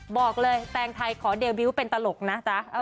บอกเลยแตงไทยขอเดบิวต์เป็นตลกนะจ๊ะ